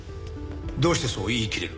どうしてそう言いきれる？